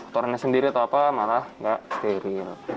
torennya sendiri atau apa malah nggak steril